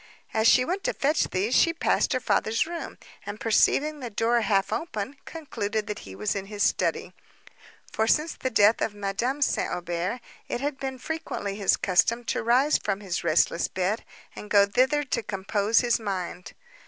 As she went to fetch these, she passed her father's room, and, perceiving the door half open, concluded that he was in his study—for, since the death of Madame St. Aubert, it had been frequently his custom to rise from his restless bed, and go thither to compose his mind.